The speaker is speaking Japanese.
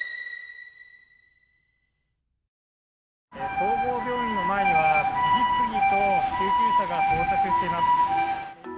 総合病院の前には、次々と救急車が到着しています。